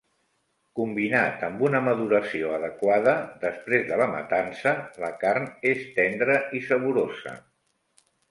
Combinat amb una maduració adequada després de la matança, la carn és tendra i saborosa.